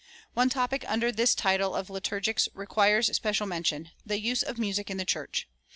One topic under this title of Liturgics requires special mention the use of music in the church.